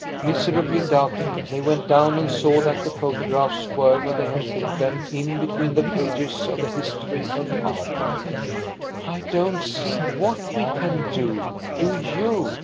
Miserably doubting, they went down and saw that the photographs were where they had put them, in between the pages of the "History of Arden." "I don't see what we can do. Do you?"